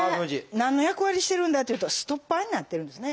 何の役割してるんだというとストッパーになってるんですね。